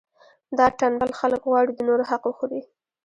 دا ټنبل خلک غواړي د نورو حق وخوري.